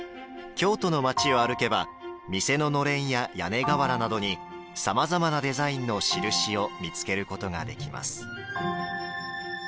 京都の町を歩けば店の、のれんや屋根瓦などにさまざまなデザインの印を見つけることができます。